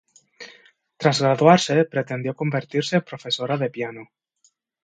Tras graduarse pretendió convertirse en profesora de piano.